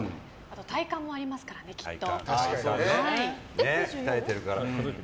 体幹もありますからね、きっと。